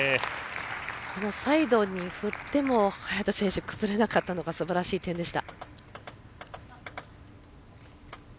このサイドに振っても早田選手、崩れなかったのがすばらしい点でした。